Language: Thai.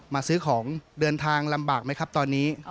มาซื้อของเดินทางลำบากไหมครับตอนนี้